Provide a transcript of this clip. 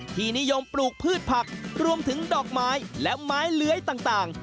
ที่นิยมปลูกพืชผักรวมถึงดอกไม้และไม้เลื้อยต่าง